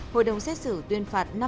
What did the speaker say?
hội đồng xét xử tuyên phạt